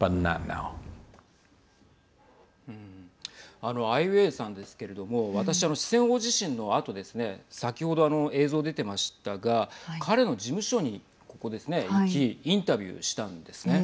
あの、アイ・ウェイウェイさんですけれども私、四川大地震のあとですね先ほど映像が出ていましたが彼の事務所に、ここですね、行きインタビューしたんですね。